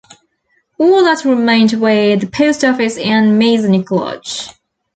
All that remained were the post office and Masonic Lodge.